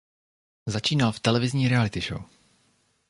Začínal v televizní reality show.